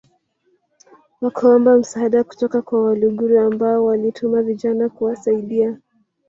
wakaomba msaada kutoka kwa Waluguru ambao walituma vijana kuwasaidia